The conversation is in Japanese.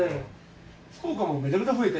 福岡もめちゃめちゃ増えて。